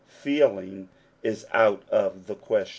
Feeling is out of the question.